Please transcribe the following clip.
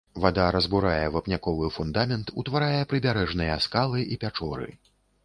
Вада разбурае вапняковы фундамент, утварае прыбярэжныя скалы і пячоры.